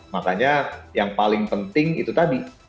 makanya yang paling penting itu tadi